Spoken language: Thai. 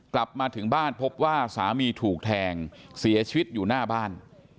กลับมาถึงบ้านพบว่าสามีถูกแทงเสียชีวิตอยู่หน้าบ้าน